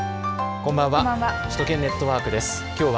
こんばんは。